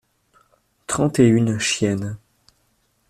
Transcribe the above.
Trente et une chiennes.